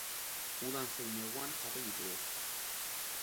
Udan zein neguan jaten ditugu.